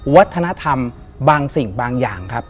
วัฒนธรรมบางสิ่งบางอย่างครับ